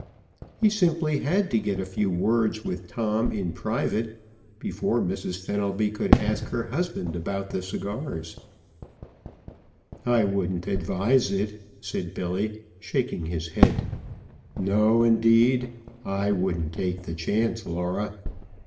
He simply had to get a few words with Tom in private before Mrs. Fenelby could ask her husband about the cigars. [Illustration: "When the 6:02 pulled in"] "I wouldn't advise it," said Billy, shaking his head. "No, indeed. I wouldn't take the chance, Laura."